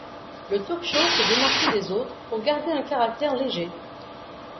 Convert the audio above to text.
Le talk-show s'est démarqué des autres pour garder un caractère léger.